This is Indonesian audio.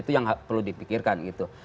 itu yang perlu dipikirkan gitu